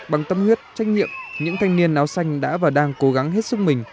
bằng tâm huyết trách nhiệm những thanh niên áo xanh đã và đang cố gắng hết sức mình